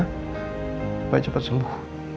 supaya cepat sembuh